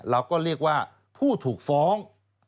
เราก็เรียกว่าผู้ถูกฟ้อง